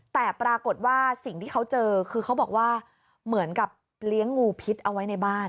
แต่ปรากฏว่าสิ่งที่เขาเจอคือเขาบอกว่าเหมือนกับเลี้ยงงูพิษเอาไว้ในบ้าน